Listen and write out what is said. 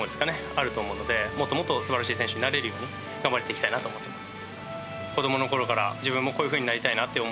あると思うのでもっともっと素晴らしい選手になれるように頑張っていきたいなと思ってます。